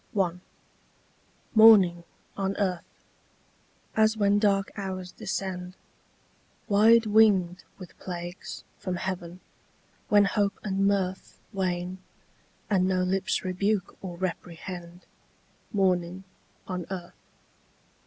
I. MOURNING on earth, as when dark hours descend, Wide winged with plagues, from heaven; when hope and mirth Wane, and no lips rebuke or reprehend Mourning on earth.